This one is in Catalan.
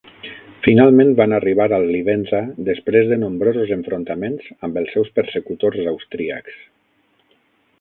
Finalment van arribar al Livenza després de nombrosos enfrontaments amb els seus persecutors austríacs.